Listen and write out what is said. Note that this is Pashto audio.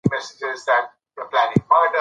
مهمه ده، څوک درسره وي کله ستونزه وي.